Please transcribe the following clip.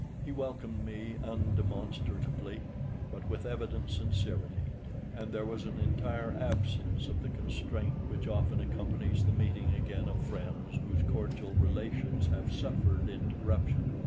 He welcomed me undemonstratively, but with evident sincerity; and there was an entire absence of the constraint which often accompanies the meeting again of friends whose cordial relations have suffered interruption.